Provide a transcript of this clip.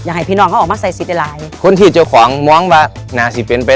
อย่างไรพี่น้องก็ออกมาใส่สิทธิ์ได้ไร